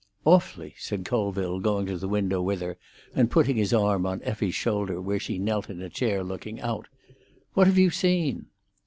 "Awfully," said Colville, going to the window with her, and putting his arm on Effie's shoulder, where she knelt in a chair looking out. "What have you seen?"